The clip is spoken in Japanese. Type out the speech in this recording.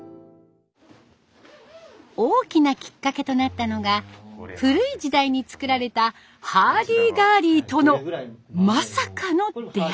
大きなきっかけとなったのが古い時代に作られたハーディガーディとのまさかの出会い。